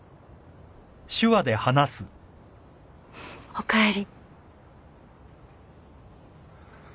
おかえり。